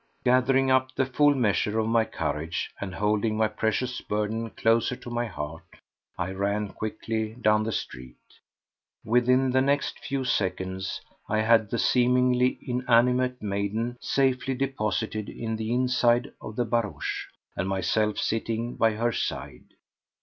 Gathering up the full measure of my courage and holding my precious burden closer to my heart, I ran quickly down the street. Within the next few seconds I had the seemingly inanimate maiden safely deposited in the inside of the barouche and myself sitting by her side.